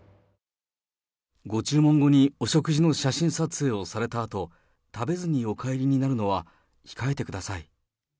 ご注文後にお食事の写真撮影をされたあと、食べずにお帰りになるのは控えてください。